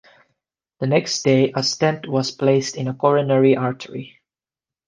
The next day a stent was placed in a coronary artery.